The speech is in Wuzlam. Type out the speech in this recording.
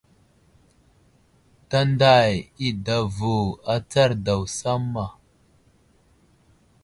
Tanday i adavo atsar daw samma.